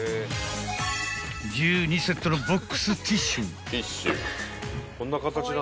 ［１２セットのボックスティッシュ］